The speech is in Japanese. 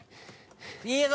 いいぞ！